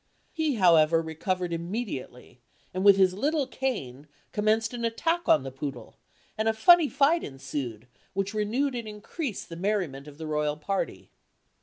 He, however, recovered immediately, and with his little cane commenced an attack on the poodle, and a funny fight ensued, which renewed and increased the merriment of the royal party.